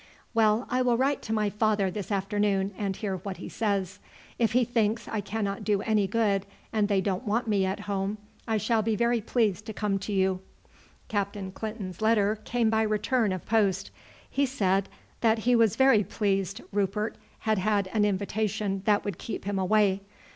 "Well, I will write to my father this afternoon and hear what he says. If he thinks I cannot do any good and they don't want me at home, I shall be very pleased to come to you." Captain Clinton's letter came by return of post. He said that he was very pleased Rupert had had an invitation that would keep him away.